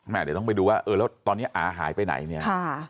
เดี๋ยวต้องไปดูว่าเออแล้วตอนนี้อาหายไปไหนเนี่ย